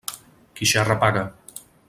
Qui xerra paga.